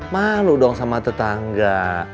malu dong sama tetangga